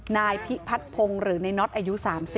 นายพิพัฒนพงศ์หรือในน็อตอายุ๓๐